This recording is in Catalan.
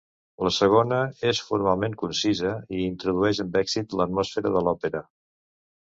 La segona és formalment concisa, i introdueix amb èxit l'atmosfera de l'òpera.